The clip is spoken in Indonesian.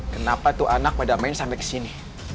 kenapa tuh anak pada main sampai ke sini